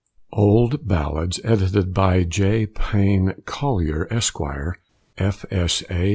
OLD BALLADS, Edited by J. Payne Collier, Esq., F.S.A.